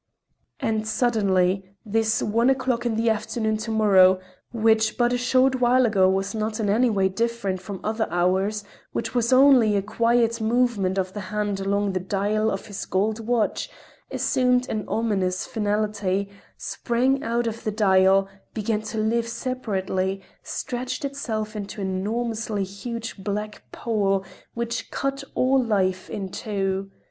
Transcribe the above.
And suddenly, this one o'clock in the afternoon to morrow, which but a short while ago was not in any way different from other hours, which was only a quiet movement of the hand along the dial of his gold watch, assumed an ominous finality, sprang out of the dial, began to live separately, stretched itself into an enormously huge black pole which cut all life in two.